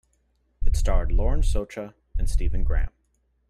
It starred Lauren Socha and Stephen Graham.